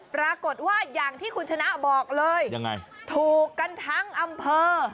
ปรากฏว่าอย่างที่คุณชนะบอกเลยยังไงถูกกันทั้งอำเภอ